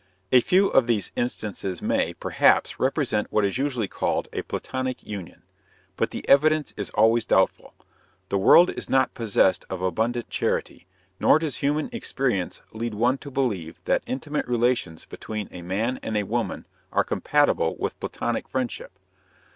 A few of these instances may, perhaps, represent what is usually called a Platonic union. But the evidence is always doubtful. The world is not possessed of abundant charity, nor does human experience lead one to believe that intimate relations between a man and a woman are compatible with Platonic friendship.